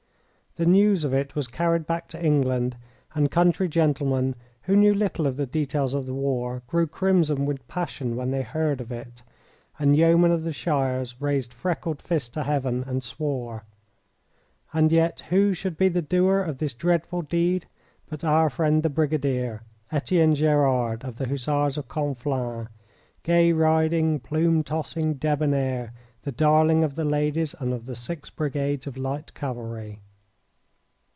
The news of it was carried back to England, and country gentlemen who knew little of the details of the war grew crimson with passion when they heard of it, and yeomen of the shires raised freckled fists to Heaven and swore. And yet who should be the doer of this dreadful deed but our friend the Brigadier, Etienne Gerard, of the Hussars of Conflans, gay riding, plume tossing, debonair, the darling of the ladies and of the six brigades of light cavalry.